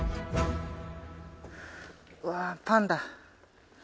うわあパンだ。